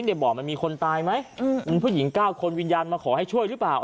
บ่อมันมีคนตายไหมมีผู้หญิง๙คนวิญญาณมาขอให้ช่วยหรือเปล่า